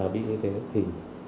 bị như thế thì